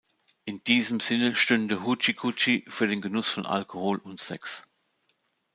In diesem Sinne stünde "Hoochie Coochie" für den Genuss von Alkohol und Sex.